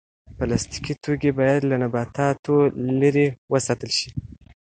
پلاستيکي توکي باید له نباتاتو لرې وساتل شي.